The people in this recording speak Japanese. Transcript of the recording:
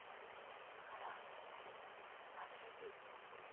あらあけび！